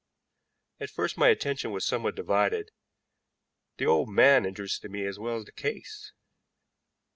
At first my attention was somewhat divided; the old man interested me as well as the case.